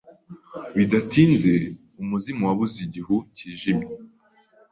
Bidatinze, umuzimu wabuze igihu cyijimye.